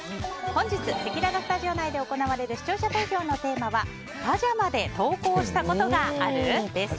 本日、せきららスタジオ内で行われる視聴者投票のテーマはパジャマで登校したことがある？です。